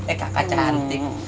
eh kakak cantik